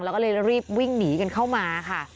แล้วก็เลยรีบวิ่งหนีกันเข้ามาค่ะ